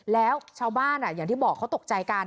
แล้วชาวบ้านอย่างที่บอกเขาตกใจกัน